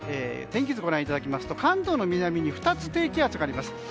天気図をご覧いただきますと関東の南に２つ低気圧があります。